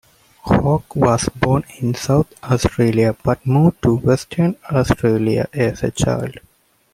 Hawke was born in South Australia but moved to Western Australia as a child.